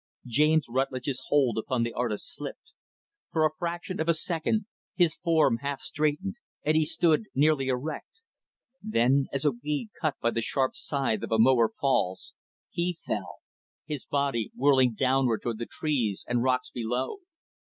James Rutlidge's hold upon the artist slipped. For a fraction of a second, his form half straightened and he stood nearly erect; then, as a weed cut by the sharp scythe of a mower falls, he fell; his body whirling downward toward the trees and rocks below.